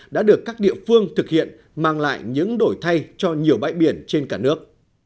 đã được các địa phương thực hiện mang lại những đổi thay cho nhiều bãi biển trên cả nước